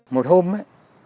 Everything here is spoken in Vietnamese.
một hôm á